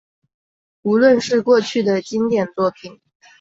无论是过去的经典作品